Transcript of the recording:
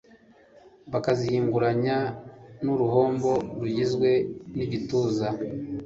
bakazihinguranya nk'uruhombo rugizwe n'igituza,